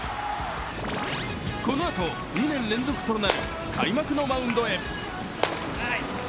このあと、２年連続となる開幕のマウンドへ。